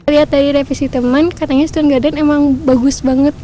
lihat dari revisi teman katanya stone garden emang bagus banget